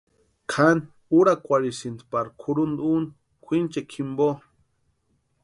Kʼani úrakwarhisïnti pari kʼurhunta úni kwʼinchekwa jimpo.